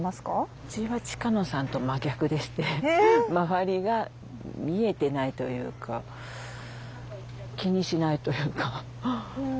ウチは近野さんと真逆でして周りが見えてないというか気にしないというか。